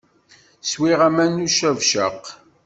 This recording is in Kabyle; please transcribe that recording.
Swiɣ aman s ucabcaq.